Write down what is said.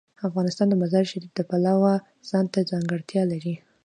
افغانستان د مزارشریف د پلوه ځانته ځانګړتیا لري.